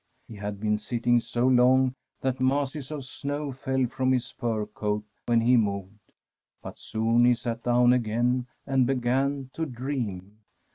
He had been sitting so long that masses of snow fell from his fur coat when he moved. But soon he sat down again and began to dream.